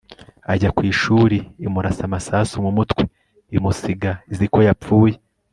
ajya ku ishuri imurasa amasasu mu mutwe, imusiga izi ko yapfuye